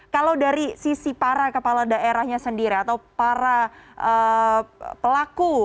kalau dari sisi para kepala daerahnya sendiri atau para pelaku